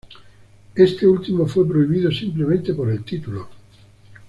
Este último fue prohibido, simplemente por el título.